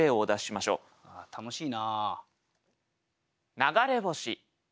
楽しいな。